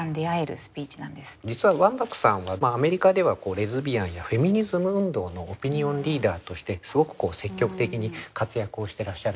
実はワンバックさんはアメリカではレズビアンやフェミニズム運動のオピニオンリーダーとしてすごく積極的に活躍をしてらっしゃるんですね。